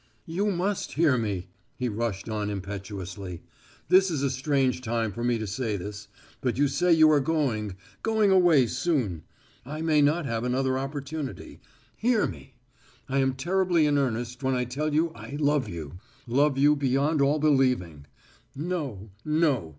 "You must hear me," he rushed on impetuously. "This is a strange time for me to say this, but you say you are going going away soon. I may not have another opportunity hear me! I am terribly in earnest when I tell you I love you love you beyond all believing. No, no!